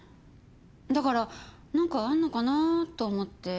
だからなんかあるのかなと思って。